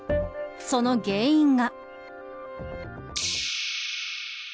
その原因が。